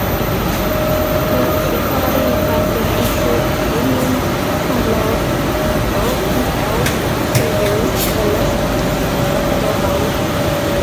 His literary influences include Raymond Chandler, Dorothy L. Sayers, and Ross Macdonald.